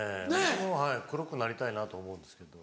僕も黒くなりたいなと思うんですけど。